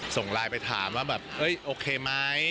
ส่งไลน์ไปถามว่าแบบโอเคไหม